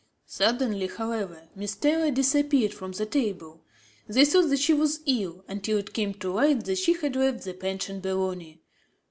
Suddenly, however, Miss Taylor disappeared from the table. They thought that she was ill, until it came to light that she had left the Pension Belloni.